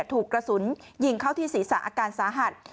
ถูกกระสุนยิงเข้าที่ศีรษะอาการสาหัส